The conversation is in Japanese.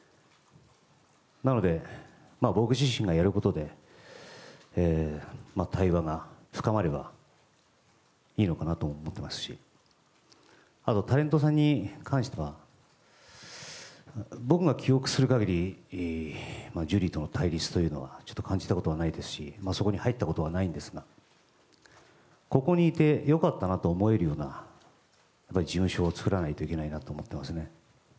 なので、僕自身がやることで対話が深まればいいのかなとも思っていますしあと、タレントさんに関しては僕が記憶する限りジュリーとの対立というのは感じたことはないですしそこに入ったことはないんですがここにいて良かったなと思えるような事務所を作らないといけないなと思っていますね。